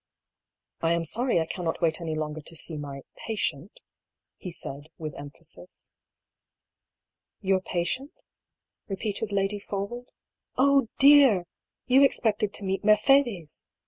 I am sorry I cannot wait any longer to see mj pa tient" he said with emphasis. "Your patient?" repeated Lady Forwood. "Oh, dear ! You expected to meet Mercedes !